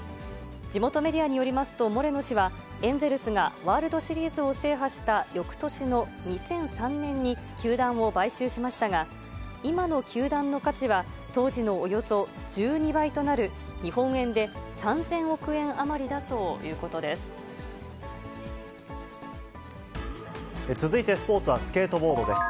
地元メディアによりますと、モレノ氏は、エンゼルスがワールドシリーズを制覇したよくとしの２００３年に、球団を買収しましたが、今の球団の価値は当時のおよそ１２倍となる日本円で３０００億続いてスポーツはスケートボードです。